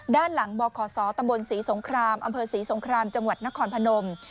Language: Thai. ด้านหลังบขตศสงครามอศสงครามจังหวัดนครพนม